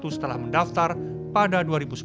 setelah mendaftar pada dua ribu sebelas